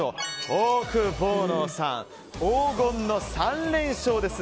オオクボーノさん黄金の３連勝です。